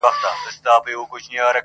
چي د مغولو له بیرغ څخه کفن جوړوي!!